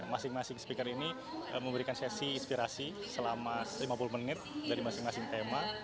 masing masing speaker ini memberikan sesi inspirasi selama lima puluh menit dari masing masing tema